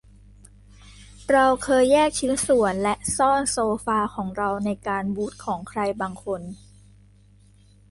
เราเคยแยกชิ้นส่วนและซ่อนโซฟาของเราในการบูทของใครบางคน